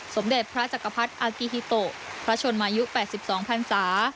สมเด็จพระจักรพรรดิอากิฮิโตพระชนมายุ๘๒พันศา